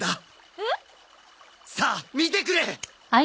えっ？さあ見てくれ！